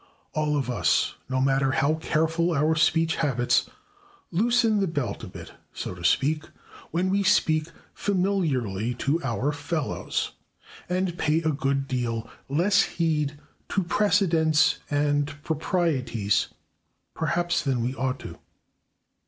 All of us, no matter how careful our speech habits, loosen the belt a bit, so to speak, when we speak familiarly to our fellows, and pay a good deal less heed to precedents and proprieties, perhaps, than we ought to.